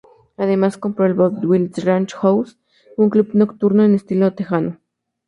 Además compró el "Bob Wills Ranch House", un club nocturno en estilo texano.